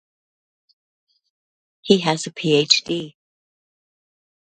He has a PhD.